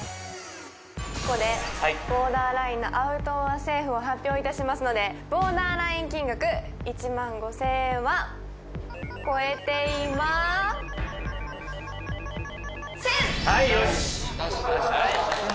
ここでボーダーラインのアウトｏｒセーフを発表いたしますのでボーダーライン金額１万５０００円は超えていません！